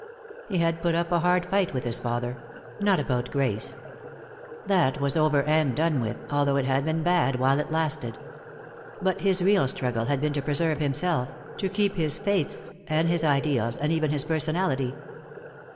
He had put up a hard fight with his father. Not about Grace. That was over and done with, although it had been bad while it lasted. But his real struggle had been to preserve himself, to keep his faiths and his ideals, and even his personality.